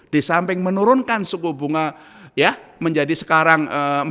di samping menurunkan suku bunga menjadi sekarang empat lima